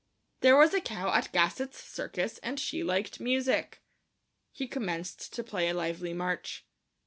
"There was a cow at Gassot's Circus and she liked music." He commenced to play a lively march.